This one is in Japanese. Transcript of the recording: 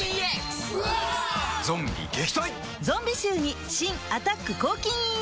ゾンビ臭に新「アタック抗菌ＥＸ」